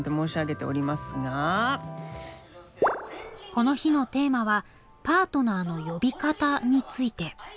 この日のテーマは「パートナーの呼び方」について。